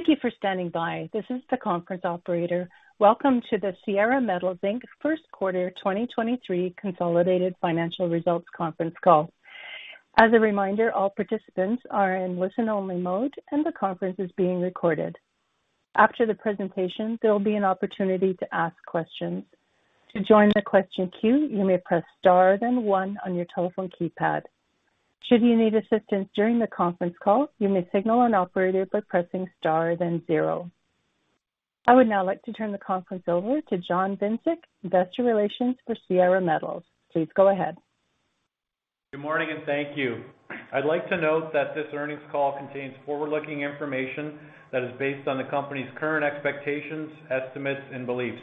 Thank you for standing by. This is the conference operator. Welcome to the Sierra Metals Inc. First Quarter 2023 consolidated financial results conference call. As a reminder, all participants are in listen-only mode, and the conference is being recorded. After the presentation, there will be an opportunity to ask questions. To join the question queue, you may press star then one on your telephone keypad. Should you need assistance during the conference call, you may signal an operator by pressing star then zero. I would now like to turn the conference over to John Vincic, investor relations for Sierra Metals. Please go ahead. Good morning. Thank you. I'd like to note that this earnings call contains forward-looking information that is based on the company's current expectations, estimates, and beliefs.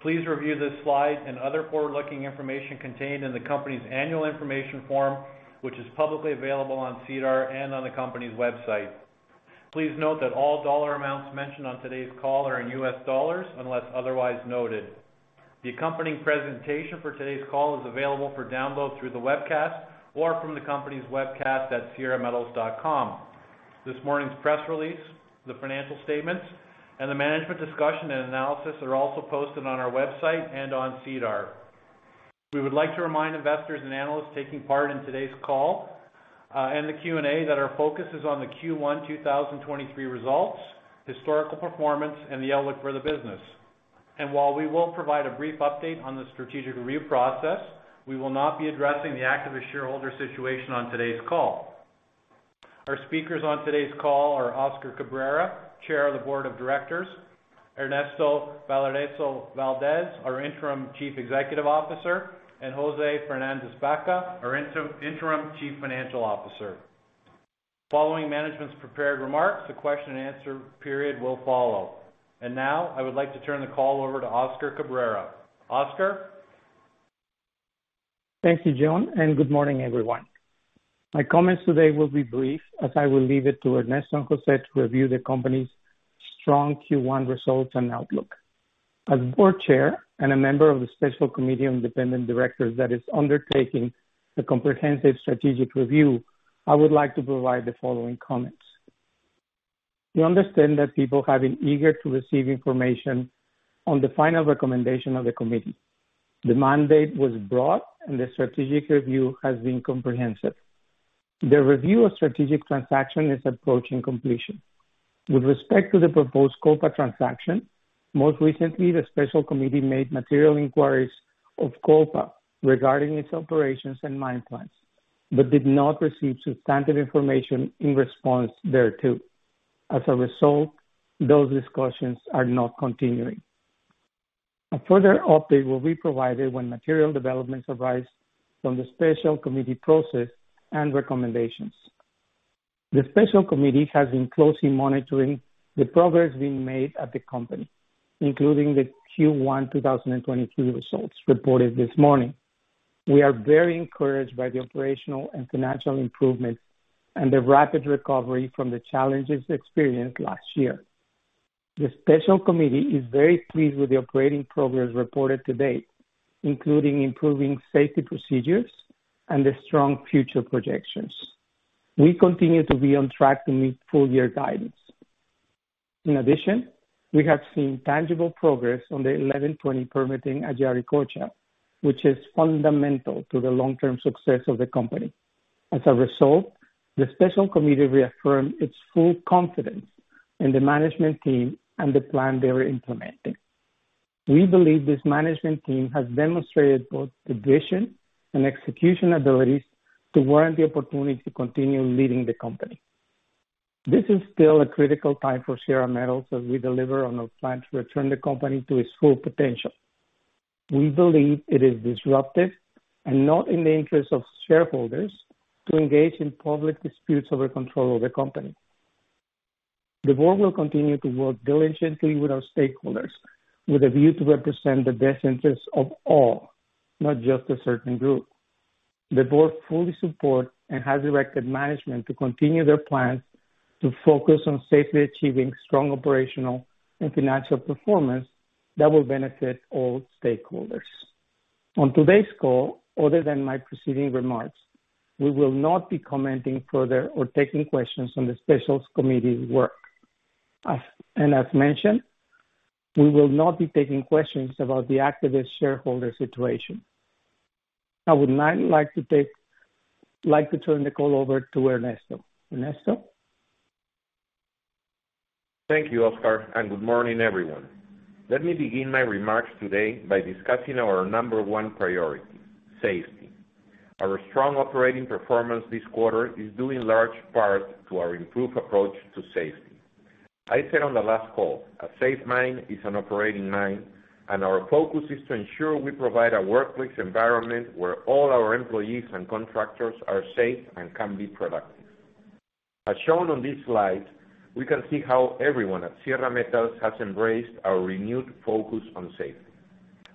Please review this slide and other forward-looking information contained in the company's annual information form, which is publicly available on SEDAR and on the company's website. Please note that all dollar amounts mentioned on today's call are in U.S. dollars unless otherwise noted. The accompanying presentation for today's call is available for download through the webcast or from the company's webcast at sierrametals.com. This morning's press release, the financial statements, and the management discussion and analysis are also posted on our website and on SEDAR. We would like to remind investors and analysts taking part in today's call and the Q&A that our focus is on the Q1 2023 results, historical performance, and the outlook for the business. While we will provide a brief update on the strategic review process, we will not be addressing the activist shareholder situation on today's call. Our speakers on today's call are Oscar Cabrera, Chair of the Board of Directors, Ernesto Balarezo Valdez, our Interim Chief Executive Officer, and José Fernández-Baca, our Interim Chief Financial Officer. Following management's prepared remarks, the question and answer period will follow. Now I would like to turn the call over to Oscar Cabrera. Oscar? Thank you, John. Good morning, everyone. My comments today will be brief as I will leave it to Ernesto and José to review the company's strong Q1 results and outlook. As Board Chair and a member of the special committee of independent directors that is undertaking the comprehensive strategic review, I would like to provide the following comments. We understand that people have been eager to receive information on the final recommendation of the committee. The mandate was broad. The strategic review has been comprehensive. The review of strategic transaction is approaching completion. With respect to the proposed Copa transaction, most recently, the special committee made material inquiries of Copa regarding its operations and mine plans did not receive substantive information in response thereto. As a result, those discussions are not continuing. A further update will be provided when material developments arise from the special committee process and recommendations. The special committee has been closely monitoring the progress being made at the company, including the Q1 2023 results reported this morning. We are very encouraged by the operational and financial improvements and the rapid recovery from the challenges experienced last year. The special committee is very pleased with the operating progress reported to date, including improving safety procedures and the strong future projections. We continue to be on track to meet full-year guidance. We have seen tangible progress on the 1120 permitting at Yauricocha, which is fundamental to the long-term success of the company. The special committee reaffirmed its full confidence in the management team and the plan they are implementing. We believe this management team has demonstrated both the vision and execution abilities to warrant the opportunity to continue leading the company. This is still a critical time for Sierra Metals as we deliver on our plan to return the company to its full potential. We believe it is disruptive and not in the interest of shareholders to engage in public disputes over control of the company. The board will continue to work diligently with our stakeholders with a view to represent the best interests of all, not just a certain group. The board fully support and has directed management to continue their plans to focus on safely achieving strong operational and financial performance that will benefit all stakeholders. On today's call, other than my preceding remarks, we will not be commenting further or taking questions on the special committee's work. As mentioned, we will not be taking questions about the activist shareholder situation. I would now like to turn the call over to Ernesto. Ernesto? Thank you, Oscar. Good morning, everyone. Let me begin my remarks today by discussing our number one priority, safety. Our strong operating performance this quarter is due in large part to our improved approach to safety. I said on the last call, a safe mine is an operating mine, and our focus is to ensure we provide a workplace environment where all our employees and contractors are safe and can be productive. As shown on this slide, we can see how everyone at Sierra Metals has embraced our renewed focus on safety.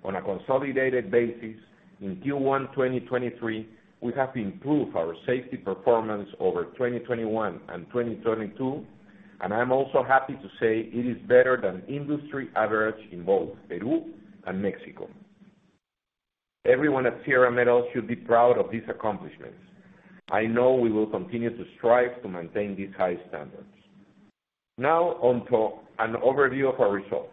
On a consolidated basis in Q1 2023, we have improved our safety performance over 2021 and 2022, and I'm also happy to say it is better than industry average in both Peru and Mexico. Everyone at Sierra Metals should be proud of these accomplishments. I know we will continue to strive to maintain these high standards. Now onto an overview of our results.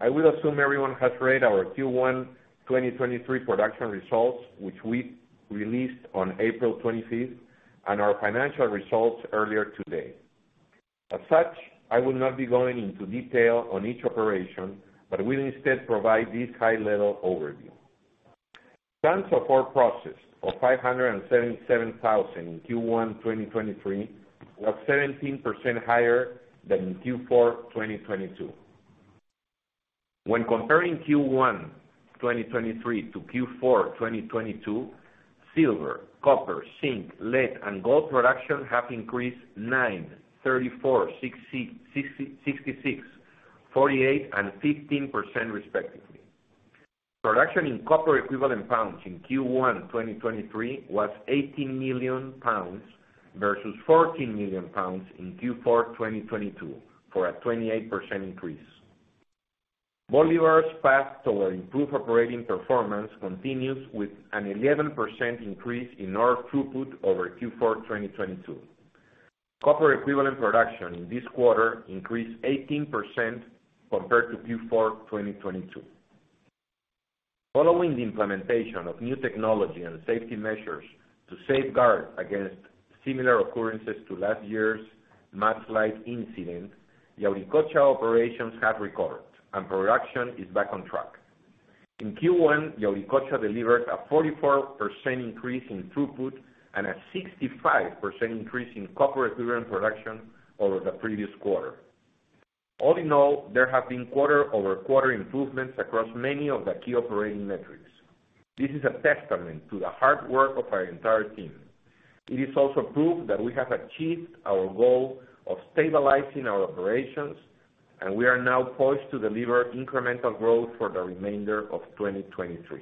I will assume everyone has read our Q1 2023 production results, which we released on April 25th, and our financial results earlier today. As such, I will not be going into detail on each operation, but will instead provide this high-level overview. Tons of ore processed of 577,000 in Q1 2023 was 17% higher than in Q4 2022. When comparing Q1 2023 to Q4 2022, silver, copper, zinc, lead, and gold production have increased 9%, 34%, 66%, 48%, and 15% respectively. Production in copper equivalent pounds in Q1 2023 was 18 million pounds versus 14 million pounds in Q4 2022 for a 28% increase. Bolivar's path toward improved operating performance continues with an 11% increase in ore throughput over Q4 2022. Copper equivalent production in this quarter increased 18% compared to Q4 2022. Following the implementation of new technology and safety measures to safeguard against similar occurrences to last year's mudslide incident, Yauricocha operations have recovered, and production is back on track. In Q1, Yauricocha delivered a 44% increase in throughput and a 65% increase in copper equivalent production over the previous quarter. All in all, there have been quarter-over-quarter improvements across many of the key operating metrics. This is a testament to the hard work of our entire team. It is also proof that we have achieved our goal of stabilizing our operations, and we are now poised to deliver incremental growth for the remainder of 2023.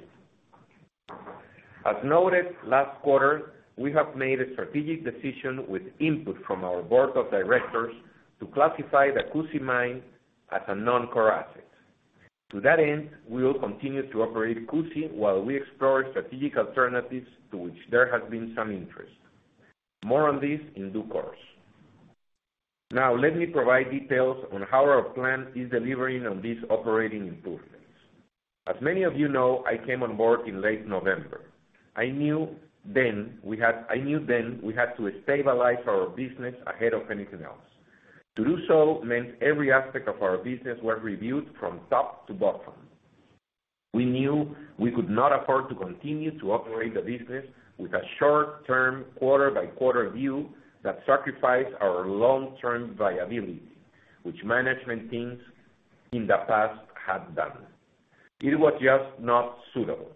As noted last quarter, we have made a strategic decision with input from our board of directors to classify the Cusi mine as a non-core asset. To that end, we will continue to operate Cusi while we explore strategic alternatives to which there has been some interest. More on this in due course. Let me provide details on how our plan is delivering on these operating improvements. As many of you know, I came on board in late November. I knew then we had to stabilize our business ahead of anything else. To do so meant every aspect of our business was reviewed from top to bottom. We knew we could not afford to continue to operate the business with a short-term, quarter-by-quarter view that sacrificed our long-term viability, which management teams in the past had done. It was just not suitable.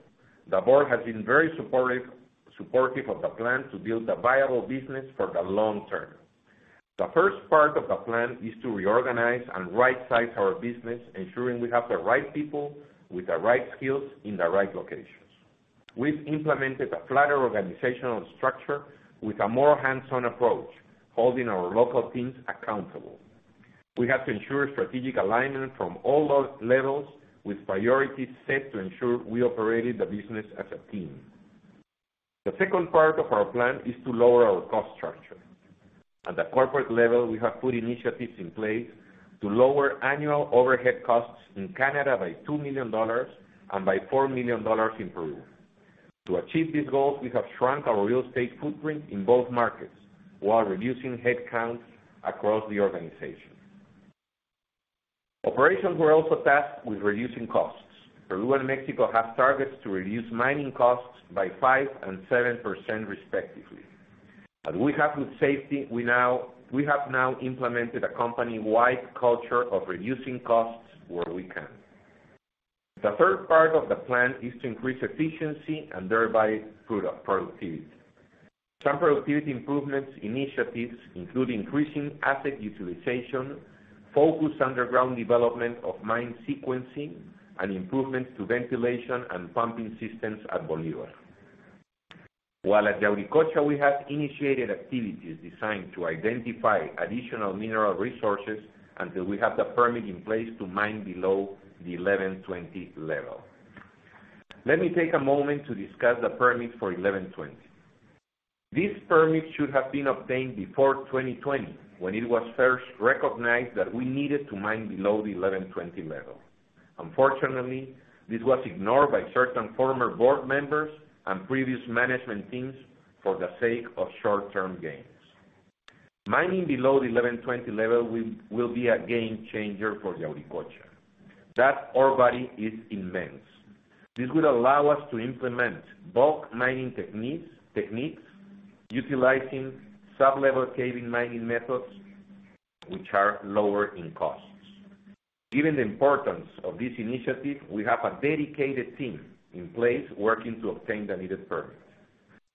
The board has been very supportive of the plan to build a viable business for the long term. The first part of the plan is to reorganize and right-size our business, ensuring we have the right people with the right skills in the right locations. We've implemented a flatter organizational structure with a more hands-on approach, holding our local teams accountable. We have to ensure strategic alignment from all levels, with priorities set to ensure we operated the business as a team. The second part of our plan is to lower our cost structure. At the corporate level, we have put initiatives in place to lower annual overhead costs in Canada by 2 million dollars and by $4 million in Peru. To achieve these goals, we have shrunk our real estate footprint in both markets while reducing headcounts across the organization. Operations were also tasked with reducing costs. Peru and Mexico have targets to reduce mining costs by 5% and 7% respectively. As we have with safety, we have now implemented a company-wide culture of reducing costs where we can. The third part of the plan is to increase efficiency and thereby product productivity. Some productivity improvements initiatives include increasing asset utilization, focused underground development of mine sequencing, and improvements to ventilation and pumping systems at Bolivar. While at Yauricocha, we have initiated activities designed to identify additional mineral resources until we have the permit in place to mine below the 1120 level. Let me take a moment to discuss the permit for 1120 level. This permit should have been obtained before 2020 when it was first recognized that we needed to mine below the 1120 level. Unfortunately, this was ignored by certain former board members and previous management teams for the sake of short-term gains. Mining below the 1120 level will be a game changer for Yauricocha. That ore body is immense. This would allow us to implement bulk mining techniques utilizing sublevel caving mining methods which are lower in costs. Given the importance of this initiative, we have a dedicated team in place working to obtain the needed permits.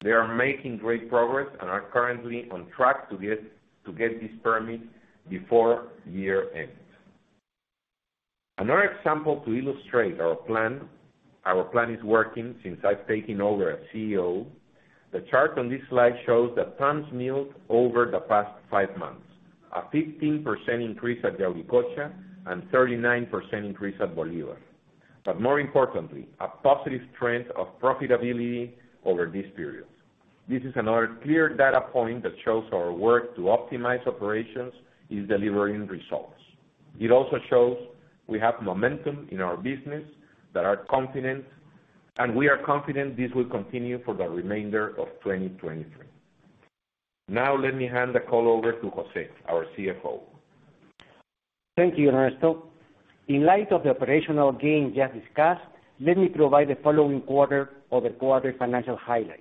They are making great progress and are currently on track to get these permits before year-end. Another example to illustrate our plan is working since I've taken over as CEO. The chart on this slide shows the tons milled over the past 5 months. A 15% increase at Yauricocha, and 39% increase at Bolivar. More importantly, a positive trend of profitability over this period. This is another clear data point that shows our work to optimize operations is delivering results. It also shows we have momentum in our business, that we are confident this will continue for the remainder of 2023. Now let me hand the call over to José, our CFO. Thank you, Ernesto. In light of the operational gains just discussed, let me provide the quarter financial highlights.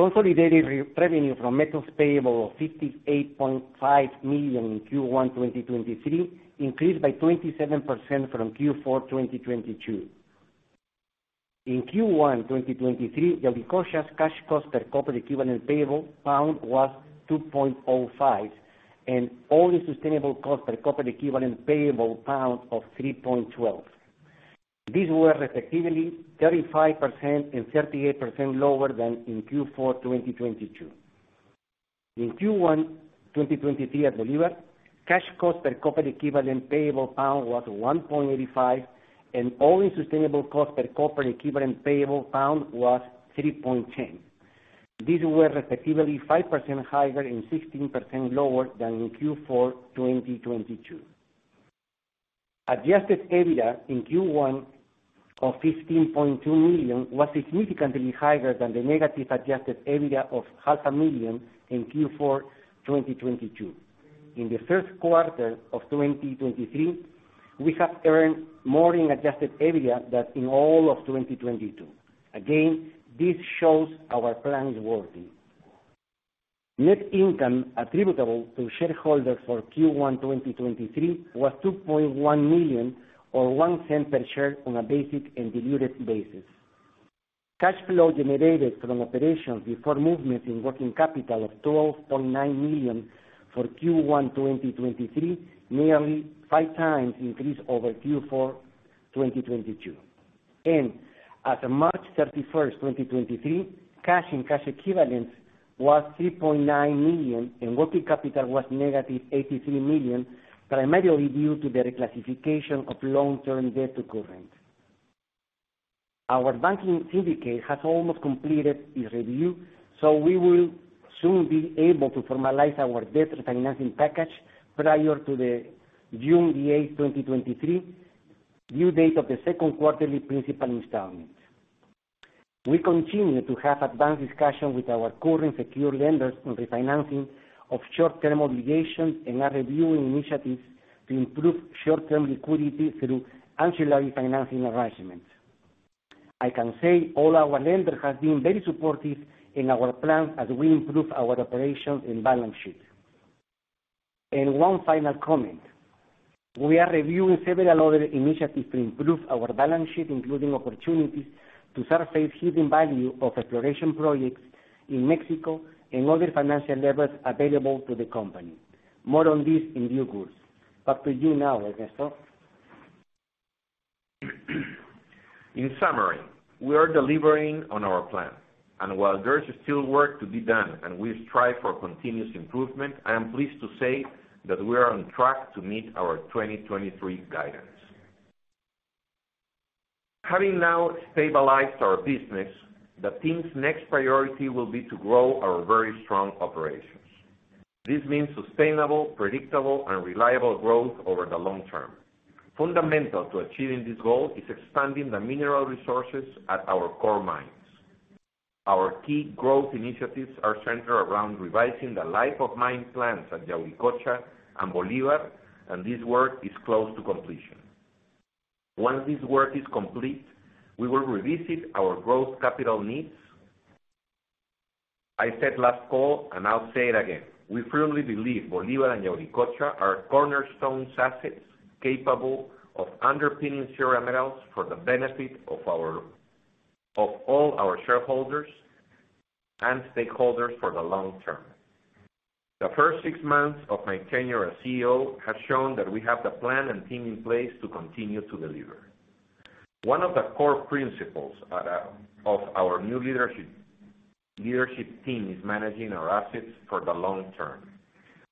Consolidated re-revenue from metals payable of $58.5 million in Q1 2023, increased by 27% from Q4 2022. In Q1 2023, Yauricocha's cash cost per copper equivalent payable pound was $2.05, and All-In Sustaining Cost per copper equivalent payable pound of $3.12. These were effectively 35% and 38% lower than in Q4 2022. In Q1 2023 at Bolivar, cash cost per copper equivalent payable pound was $1.85, and All-In Sustaining Cost per copper equivalent payable pound was $3.10. These were effectively 5% higher and 16% lower than in Q4 2022. Adjusted EBITDA in Q1 of $15.2 million was significantly higher than the negative adjusted EBITDA of half a million dollars in Q4 2022. In the first quarter of 2023, we have earned more in adjusted EBITDA than in all of 2022. Again, this shows our plan is working. Net income attributable to shareholders for Q1 2023 was $2.1 million or $0.01 per share on a basic and diluted basis. Cash flow generated from operations before movement in working capital of $12.9 million for Q1 2023, nearly five times increase over Q4 2022. As of March 31, 2023, cash and cash equivalents was $3.9 million, and working capital was negative $83 million, primarily due to the reclassification of long-term debt to current. Our banking syndicate has almost completed its review, so we will soon be able to formalize our debt refinancing package prior to the June the eighth, 2023, due date of the second quarterly principal installment. We continue to have advanced discussions with our current secure lenders on refinancing of short-term obligations and are reviewing initiatives to improve short-term liquidity through ancillary financing arrangements. I can say all our lenders have been very supportive in our plans as we improve our operations and balance sheet. One final comment. We are reviewing several other initiatives to improve our balance sheet, including opportunities to surface hidden value of exploration projects in Mexico and other financial levers available to the company. More on this in due course. Back to you now, Ernesto. In summary, we are delivering on our plan, while there is still work to be done and we strive for continuous improvement, I am pleased to say that we are on track to meet our 2023 guidance. Having now stabilized our business, the team's next priority will be to grow our very strong operations. This means sustainable, predictable, and reliable growth over the long term. Fundamental to achieving this goal is expanding the mineral resources at our core mines. Our key growth initiatives are centered around revising the life of mine plans at Yauricocha and Bolivar, this work is close to completion. Once this work is complete, we will revisit our growth capital needs. I said last call and I'll say it again, we firmly believe Bolivar and Yauricocha are cornerstone assets capable of underpinning Sierra Metals for the benefit of all our shareholders and stakeholders for the long term. The first six months of my tenure as CEO has shown that we have the plan and team in place to continue to deliver. One of the core principles of our new leadership team is managing our assets for the long term.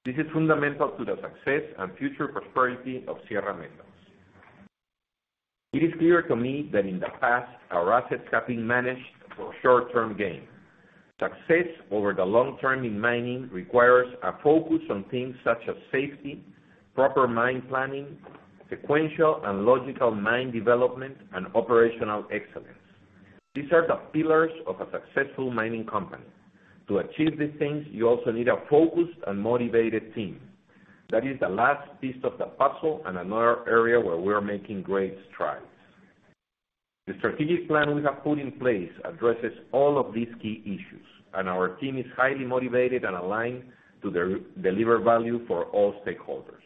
This is fundamental to the success and future prosperity of Sierra Metals. It is clear to me that in the past, our assets have been managed for short-term gain. Success over the long term in mining requires a focus on things such as safety, proper mine planning, sequential and logical mine development, and operational excellence. These are the pillars of a successful mining company. To achieve these things, you also need a focused and motivated team. That is the last piece of the puzzle and another area where we are making great strides. The strategic plan we have put in place addresses all of these key issues, and our team is highly motivated and aligned to deliver value for all stakeholders.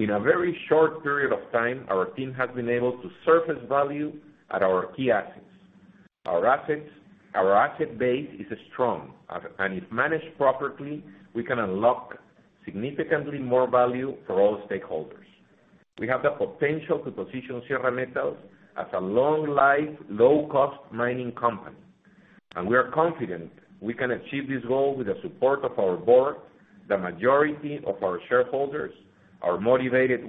In a very short period of time, our team has been able to surface value at our key assets. Our asset base is strong, and if managed properly, we can unlock significantly more value for all stakeholders. We have the potential to position Sierra Metals as a long life, low cost mining company, and we are confident we can achieve this goal with the support of our board, the majority of our shareholders, our motivated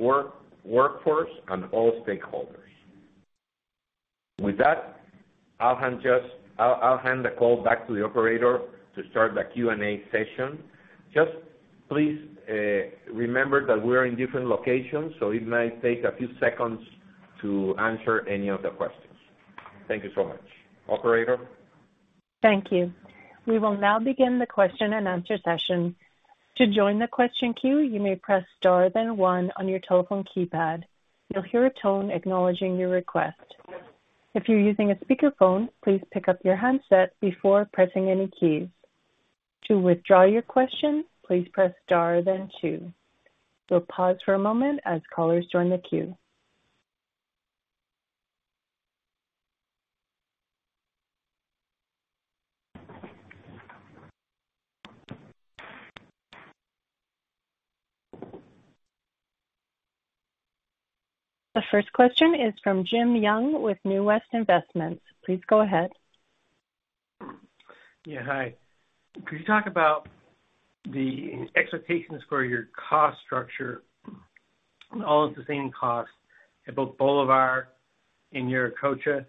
workforce, and all stakeholders. With that, I'll hand the call back to the operator to start the Q&A session. Please remember that we are in different locations, so it might take a few seconds to answer any of the questions. Thank you so much. Operator? Thank you. We will now begin the question-and-answer session. To join the question queue, you may press star then one on your telephone keypad. You'll hear a tone acknowledging your request. If you're using a speakerphone, please pick up your handset before pressing any keys. To withdraw your question, please press star then two. We'll pause for a moment as callers join the queue. The first question is from Jim Young with West Family Investments, Inc. Please go ahead. Yeah. Hi. Could you talk about the expectations for your cost structure, all of the same costs at both Bolivar and Yauricocha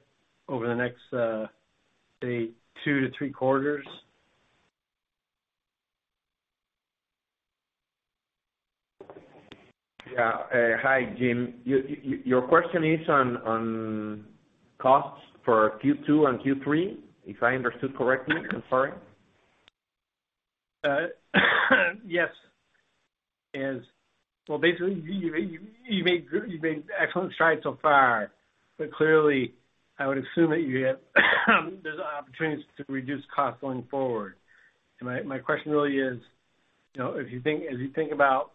over the next, say 2-3 quarters? Yeah. Hi, Jim. Your question is on costs for Q2 and Q3, if I understood correctly? I'm sorry. Yes. Well, basically, you made excellent strides so far, but clearly I would assume that you have there's opportunities to reduce costs going forward. My question really is, you know, if you think, as you think about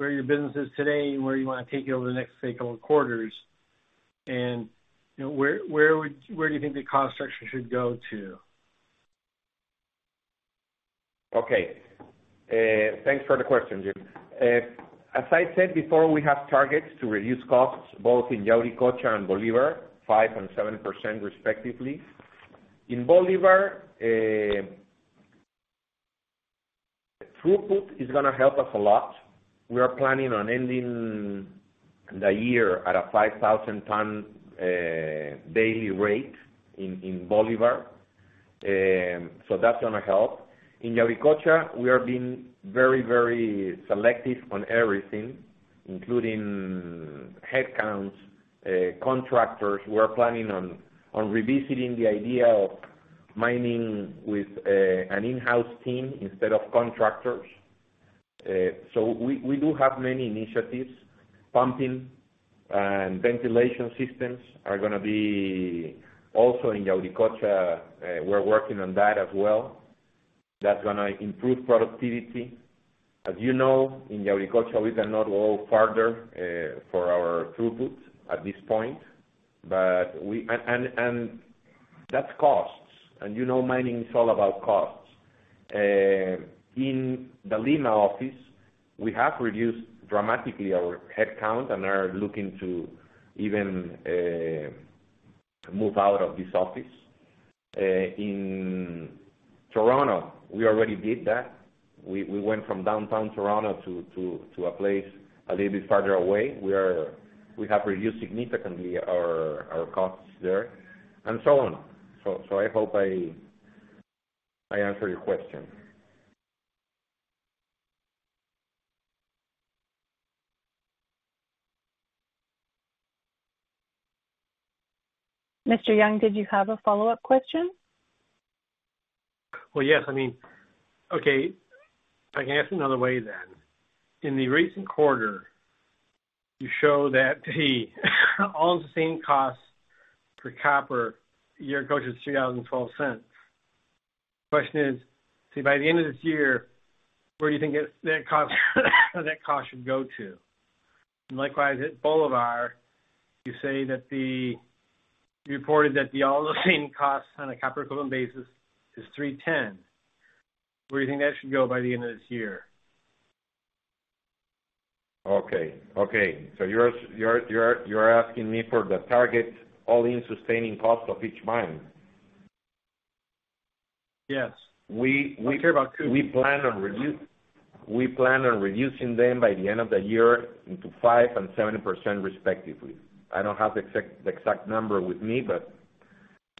where your business is today and where you wanna take it over the next, say, couple of quarters and, you know, where do you think the cost structure should go to? Okay. Thanks for the question, Jim. As I said before, we have targets to reduce costs both in Yauricocha and Bolivar 5% and 7% respectively. In Bolivar, throughput is gonna help us a lot. We are planning on ending the year at a 5,000 ton daily rate in Bolivar. That's gonna help. In Yauricocha, we are being very, very selective on everything, including headcounts, contractors. We are planning on revisiting the idea of mining with an in-house team instead of contractors. We do have many initiatives. Pumping and ventilation systems are gonna be also in Yauricocha. We're working on that as well. That's gonna improve productivity. As you know, in Yauricocha, we cannot go farther for our throughput at this point, but and that's costs. You know, mining is all about costs. In the Lima office, we have reduced dramatically our headcount and are looking to even move out of this office. In Toronto, we already did that. We went from downtown Toronto to a place a little bit farther away, where we have reduced significantly our costs there and so on. I hope I answered your question. Mr. Young, did you have a follow-up question? Well, yes. I mean Okay. If I can ask another way then. In the recent quarter, you show that the All-In Sustaining Costs for copper, Yauricocha is $30.12. Question is, see, by the end of this year, where do you think that cost should go to? Likewise, at Bolivar, you say that you reported that the All-In Sustaining Costs on a copper equivalent basis is $3.10. Where do you think that should go by the end of this year? Okay. Okay. You're asking me for the target All-In Sustaining Cost of each mine? Yes. We- I care about two... we plan on reducing them by the end of the year into 5% and 7% respectively. I don't have the exact, the exact number with me, but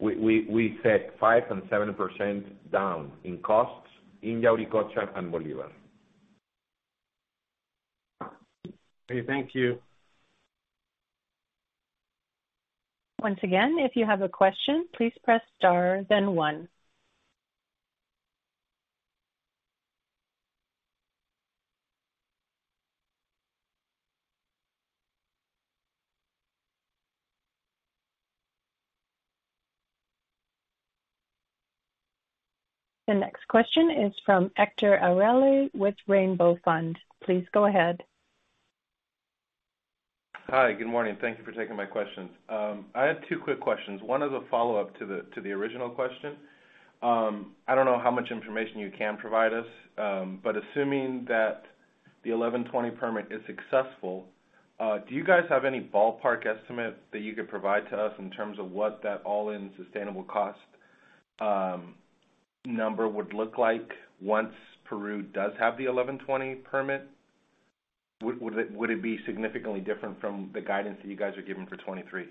we said 5% and 7% down in costs in Yauricocha and Bolivar. Okay, thank you. Once again, if you have a question, please press star then one. The next question is from Hector Arelli with Rainbow Fund. Please go ahead. Hi. Good morning. Thank you for taking my questions. I have two quick questions. One is a follow-up to the original question. I don't know how much information you can provide us, but assuming that the 1120 level permit is successful, do you guys have any ballpark estimate that you could provide to us in terms of what that All-In Sustaining Cost number would look like once Peru does have the 1120 level permit? Would it be significantly different from the guidance that you guys are giving for 2023?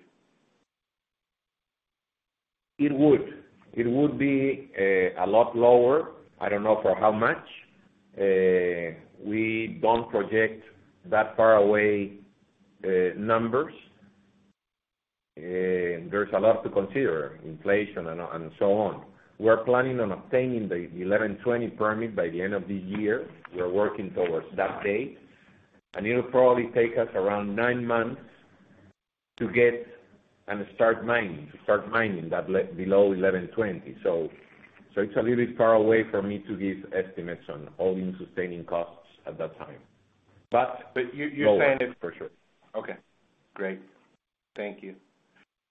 It would be a lot lower. I don't know for how much. We don't project that far away numbers. There's a lot to consider, inflation and so on. We're planning on obtaining the 1120 level permit by the end of this year. We are working towards that date. It'll probably take us around nine months to get and start mining below 1120 level. It's a little far away for me to give estimates on All-In Sustaining Costs at that time. You're saying Lower for sure. Okay, great. Thank you.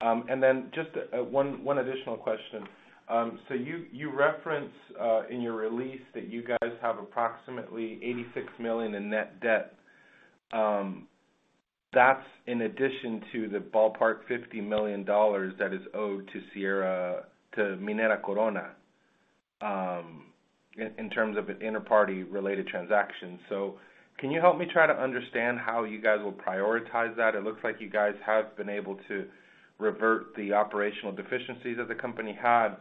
Then just one additional question. You, you reference in your release that you guys have approximately $86 million in net debt. That's in addition to the ballpark $50 million that is owed to Minera Corona, in in terms of an interparty related transaction. Can you help me try to understand how you guys will prioritize that? It looks like you guys have been able to revert the operational deficiencies that the company had.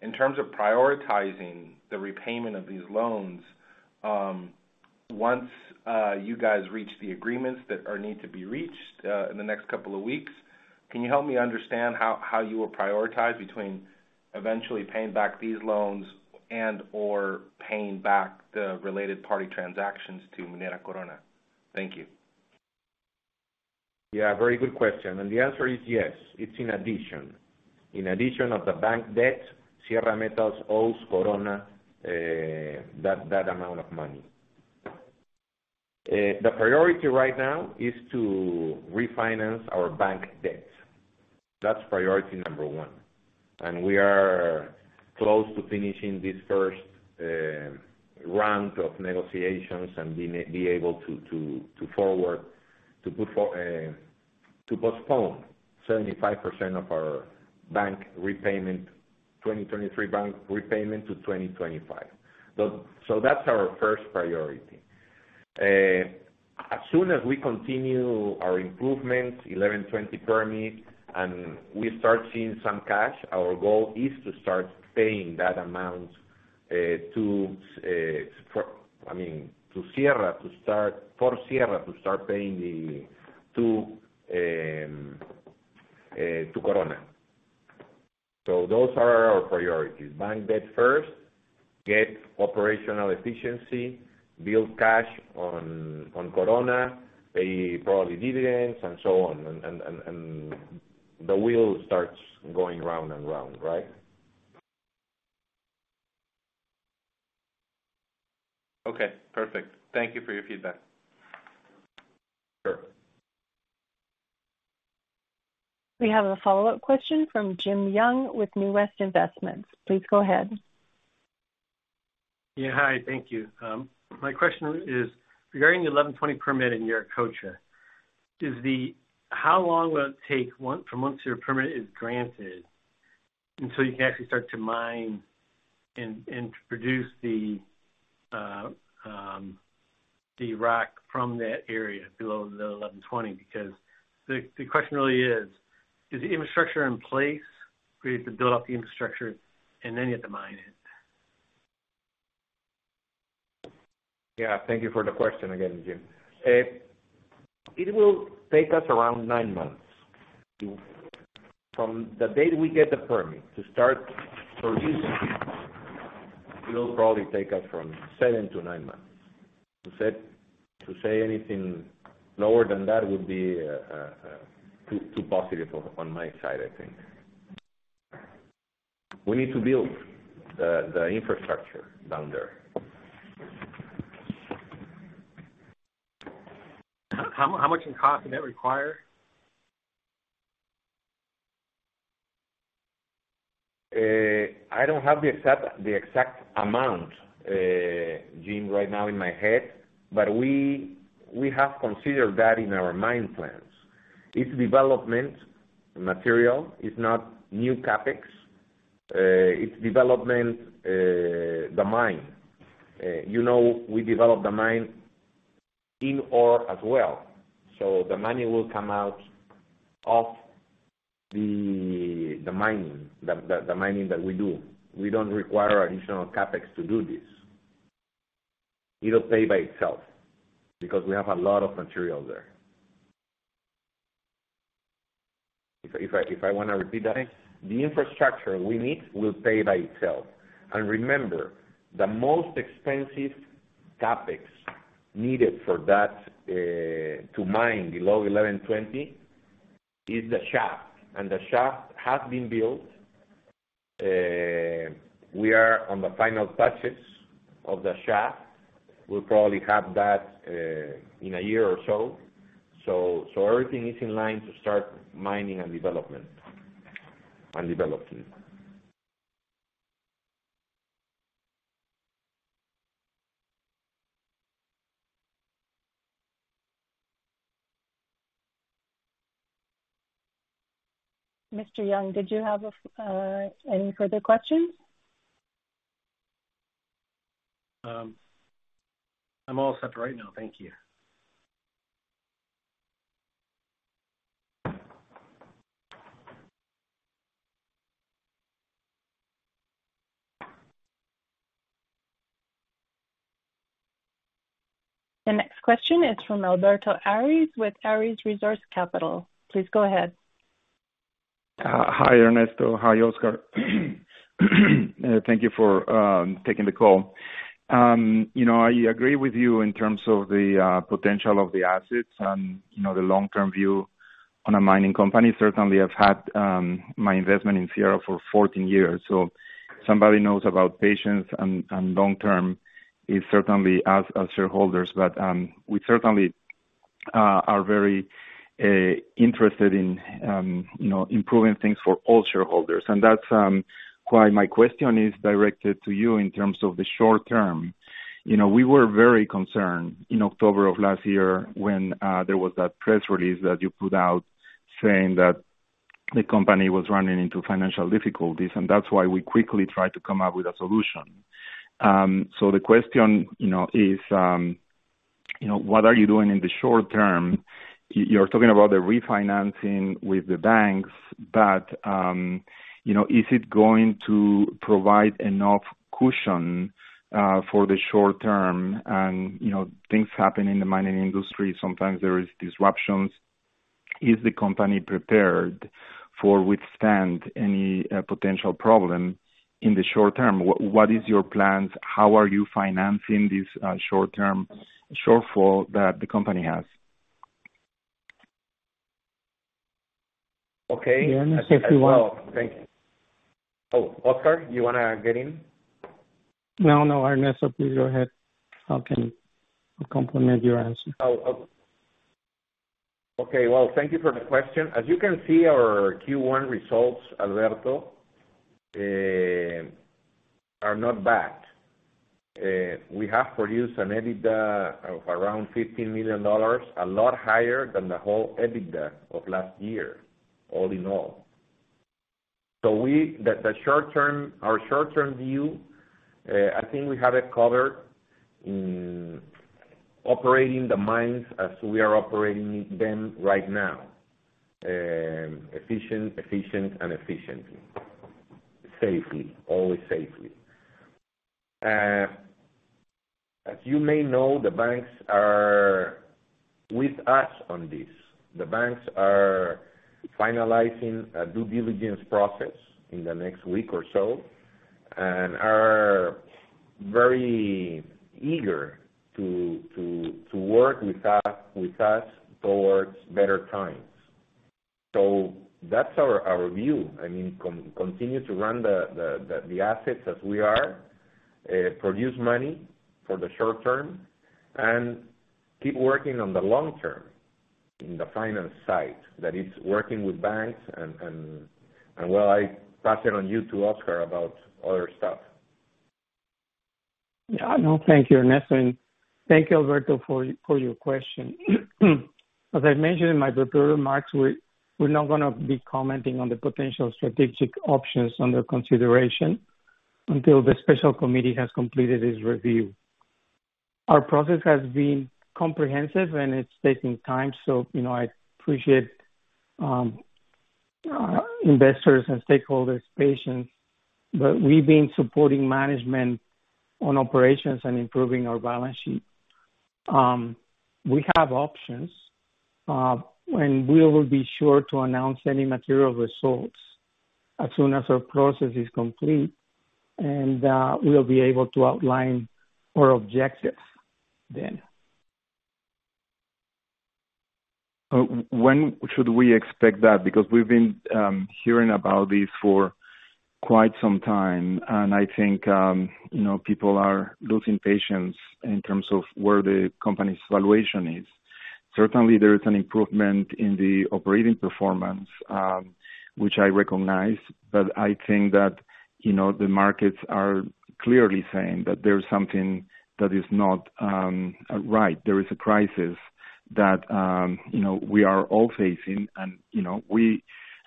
In terms of prioritizing the repayment of these loans, once you guys reach the agreements that are need to be reached, in the next couple of weeks, can you help me understand how you will prioritize between eventually paying back these loans and/or paying back the related party transactions to Minera Corona? Thank you. Yeah, very good question. The answer is yes, it's in addition. In addition of the bank debt, Sierra Metals owes Corona that amount of money. The priority right now is to refinance our bank debt. That's priority number 1. We are close to finishing this first round of negotiations and be able to put for to postpone 75% of our bank repayment, 2023 bank repayment to 2025. That's our first priority. As soon as we continue our improvements, 1120 level permit, and we start seeing some cash, our goal is to start paying that amount for Sierra to start paying to Corona. Those are our priorities. Bank debt first, get operational efficiency, build cash on Corona, pay probably dividends, and so on. The wheel starts going round and round, right? Okay, perfect. Thank you for your feedback. Sure. We have a follow-up question from Jim Young with New Family Investments. Please go ahead. Yeah. Hi, thank you. My question is regarding the 1120 level permit in Yauricocha. How long will it take once from once your permit is granted until you can actually start to mine and to produce the rock from that area below the 1120 level? Because the question really is the infrastructure in place for you to build out the infrastructure and then you have to mine it? Yeah, thank you for the question again, Jim. It will take us around nine months. From the date we get the permit to start producing it'll probably take us from seven to nine months. To say anything lower than that would be too positive on my side, I think. We need to build the infrastructure down there. How much in cost does that require? I don't have the exact, the exact amount, Jim, right now in my head, but we have considered that in our mine plans. It's development material. It's not new CapEx. It's development, the mine. You know, we develop the mine in ore as well, so the money will come out of the mining that we do. We don't require additional CapEx to do this. It'll pay by itself because we have a lot of material there. If I wanna repeat that, the infrastructure we need will pay by itself. Remember, the most expensive CapEx needed for that, to mine below 1120 level is the shaft, and the shaft has been built. We are on the final touches of the shaft. We'll probably have that, in a year or so. Everything is in line to start mining and development and developing. Mr. Young, did you have any further questions? I'm all set right now. Thank you. The next question is from Alberto Arias with Arias Resource Capital. Please go ahead. Hi Ernesto. Hi Oscar. Thank you for taking the call. You know, I agree with you in terms of the potential of the assets and, you know, the long-term view on a mining company. Certainly, I've had my investment in Sierra for 14 years, so if somebody knows about patience and long-term, it's certainly as shareholders. We certainly are very interested in, you know, improving things for all shareholders. That's why my question is directed to you in terms of the short term. You know, we were very concerned in October of last year when there was that press release that you put out saying that the company was running into financial difficulties, and that's why we quickly tried to come up with a solution. The question, you know, is, you know, what are you doing in the short term? You're talking about the refinancing with the banks, but, you know, is it going to provide enough cushion for the short term? Things happen in the mining industry. Sometimes there is disruptions. Is the company prepared for withstand any potential problem in the short term? What is your plans? How are you financing this short-term shortfall that the company has? Okay. Ernesto if you want- As well. Oh, Oscar, you wanna get in? No, no, Ernesto, please go ahead. I can complement your answer. Okay. Thank you for the question. As you can see, our Q1 results, Alberto, are not bad. We have produced an EBITDA of around $15 million, a lot higher than the whole EBITDA of last year, all in all. The short term, our short-term view, I think we have it covered in operating the mines as we are operating them right now, efficiently. Safely, always safely. As you may know, the banks are with us on this. The banks are finalizing a due diligence process in the next week or so and are very eager to work with us towards better times. That's our view. I mean, continue to run the assets as we are, produce money for the short term and keep working on the long term in the finance side. That is working with banks and well, I pass it on to you to Oscar about other stuff. Yeah. No, thank you, Ernesto. Thank you Alberto for your question. As I mentioned in my prepared remarks, we're not gonna be commenting on the potential strategic options under consideration until the special committee has completed its review. Our process has been comprehensive, and it's taking time, so, you know, I appreciate investors' and stakeholders' patience. We've been supporting management on operations and improving our balance sheet. We have options, and we will be sure to announce any material results as soon as our process is complete, and we'll be able to outline our objectives then. When should we expect that? Because we've been hearing about this for quite some time, and I think, you know, people are losing patience in terms of where the company's valuation is. Certainly, there is an improvement in the operating performance, which I recognize, but I think that, you know, the markets are clearly saying that there's something that is not right. There is a crisis that, you know, we are all facing and, you know, we,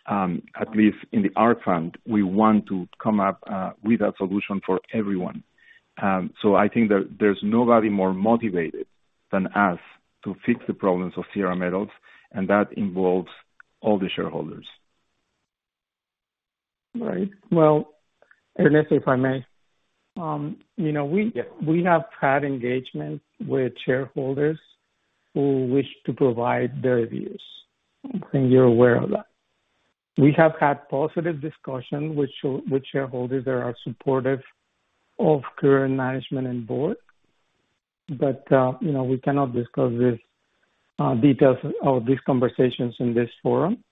at least in our fund, we want to come up with a solution for everyone. I think there's nobody more motivated than us to fix the problems of Sierra Metals, and that involves all the shareholders. Right. Well, Ernesto, if I may. you know, Yeah. We have had engagement with shareholders who wish to provide their views, and you're aware of that. We have had positive discussions with shareholders that are supportive of current management and board. you know, we cannot discuss the details of these conversations in this forum.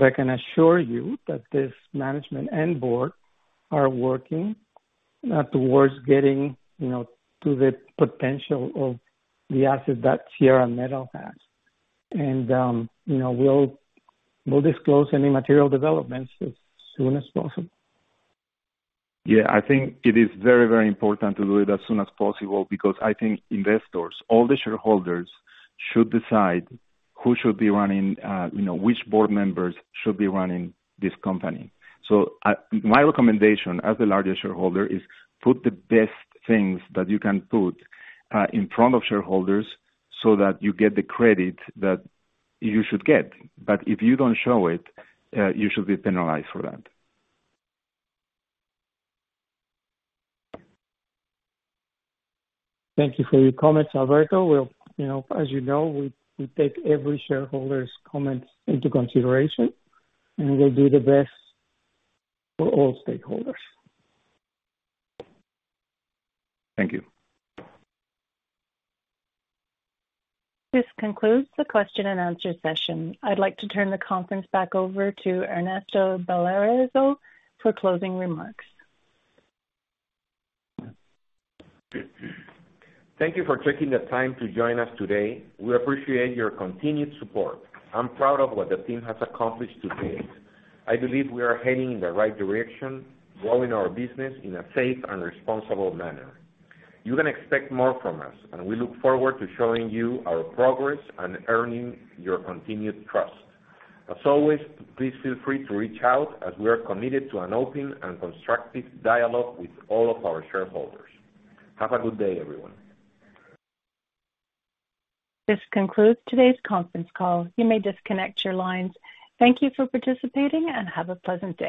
I can assure you that this management and board are working. towards getting, you know, to the potential of the asset that Sierra Metals has. You know, we'll disclose any material developments as soon as possible. Yeah. I think it is very, very important to do it as soon as possible because I think investors, all the shareholders should decide who should be running, you know, which board members should be running this company. My recommendation as the largest shareholder is put the best things that you can put in front of shareholders so that you get the credit that you should get. If you don't show it, you should be penalized for that. Thank you for your comments, Alberto. We'll, you know, as you know, we take every shareholder's comments into consideration, and we'll do the best for all stakeholders. Thank you. This concludes the question and answer session. I'd like to turn the conference back over to Ernesto Valarezo for closing remarks. Thank you for taking the time to join us today. We appreciate your continued support. I'm proud of what the team has accomplished to date. I believe we are heading in the right direction, growing our business in a safe and responsible manner. You can expect more from us, and we look forward to showing you our progress and earning your continued trust. As always, please feel free to reach out as we are committed to an open and constructive dialogue with all of our shareholders. Have a good day, everyone. This concludes today's conference call. You may disconnect your lines. Thank you for participating and have a pleasant day.